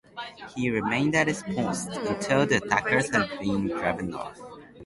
He remained at his post until the attackers had been driven off.